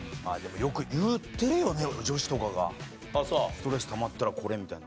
ストレスたまったらこれみたいな。